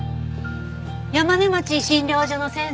山子町診療所の先生！